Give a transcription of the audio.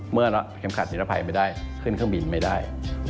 เมื่อเราเข็มขัดนิรภัยไม่ได้ขึ้นเครื่องบินไม่ได้